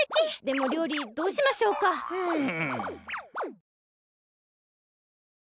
でもりょうりどうしましょうか。うん。